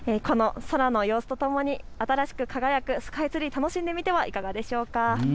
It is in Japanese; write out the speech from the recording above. この空の様子とともに新しく輝くスカイツリー、楽しんでみてはいかがでしょうか。